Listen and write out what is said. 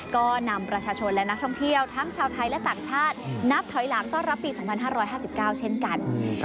ก็นำประชาชนและนักท่องเที่ยวทั้งชาวไทยและต่างชาตินับถอยหลังต้อนรับปี๒๕๕๙เช่นกัน